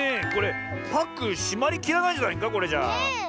これパックしまりきらないんじゃないかこれじゃあ。